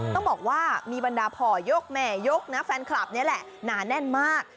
ต้องบอกว่ามีบรรดาพ่อยกแม่ยกนะแฟนคลับนี่แหละหนาแน่นมาก